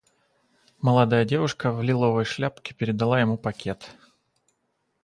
Молодая девушка в лиловой шляпке передала ему пакет.